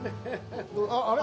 あれ？